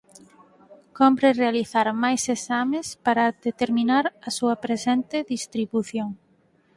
Cómpre realizar máis exames para determinar a súa presente distribución.